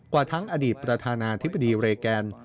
ว่าทั้งอดีตประธานาธิบดีเรแกน